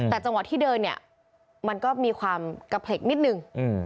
แต่จังหวะที่เดินเนี่ยมันก็มีความกระเพลกนิดนึง